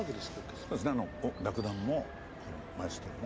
そうですね楽団もマエストロも。